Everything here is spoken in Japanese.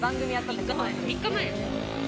３日前。